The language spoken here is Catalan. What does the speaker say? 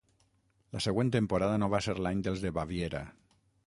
La següent temporada no va ser l'any dels de Baviera.